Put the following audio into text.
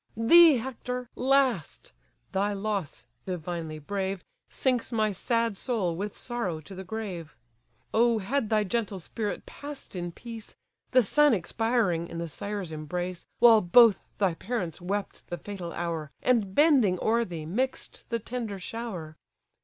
Thee, Hector! last: thy loss (divinely brave) Sinks my sad soul with sorrow to the grave. O had thy gentle spirit pass'd in peace, The son expiring in the sire's embrace, While both thy parents wept the fatal hour, And, bending o'er thee, mix'd the tender shower!